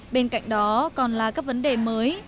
bên cạnh đó còn là các vấn đề mới